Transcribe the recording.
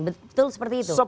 betul seperti itu